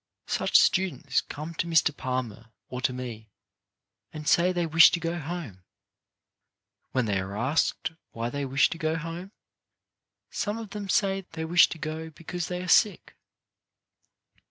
Such students come to Mr. Palmer or to me, and say they wish to go home. When they are asked why they wish to go home, some go CHARACTER BUILDING of them say they wish to go because they are sick.